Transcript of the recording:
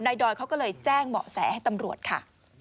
ดอยเขาก็เลยแจ้งเบาะแสให้ตำรวจค่ะ